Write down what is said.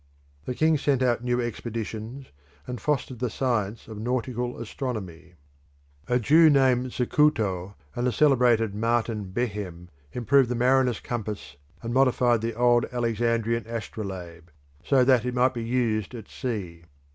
The king sent out new expeditions and fostered the science of nautical astronomy. A Jew named Zacuto and the celebrated Martin Behem improved the mariner's compass and modified the old Alexandrian astrolabe, so that it might be used at sea.